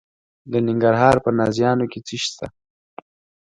د ننګرهار په نازیانو کې څه شی شته؟